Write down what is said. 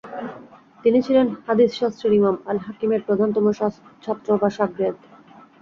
তিনি ছিলেন হাদীছশাস্ত্রের ইমাম আল-হাকিমের প্রধানতম ছাত্র বা শাগরেদ।